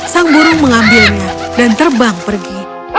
sang burung mengambilnya dan terbang pergi